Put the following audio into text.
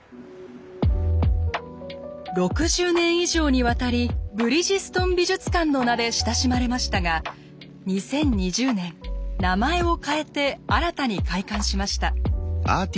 ６０年以上にわたりブリヂストン美術館の名で親しまれましたが２０２０年名前を変えて新たに開館しました。